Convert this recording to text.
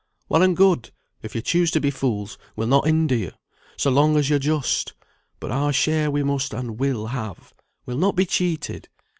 Well and good, if yo choose to be fools we'll not hinder you, so long as you're just; but our share we must and will have; we'll not be cheated.